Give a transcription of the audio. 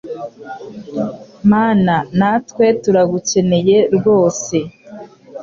mana natwe turagukeneye rwose